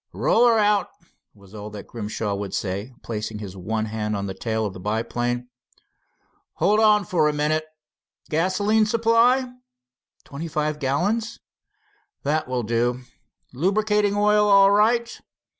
"Roll her out," was all that Grimshaw would say, placing his one hand on the tail of the biplane. "Hold on for a minute. Gasoline supply?" "Twenty five gallons." "That will do. Lubricating oil all right.